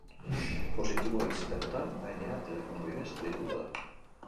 Positiboa izatekotan, gainera, telefono bidez deituko da.